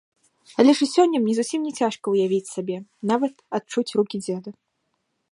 Але ж і сёння мне зусім не цяжка ўявіць сабе, нават адчуць рукі дзеда.